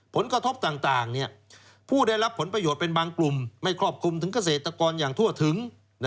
ผลกระทบต่างผู้ได้รับผลประโยชน์เป็นบางกลุ่มไม่ครอบคลุมถึงเกษตรกรอย่างทั่วถึง